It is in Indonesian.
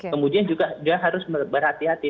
kemudian juga dia harus berhati hati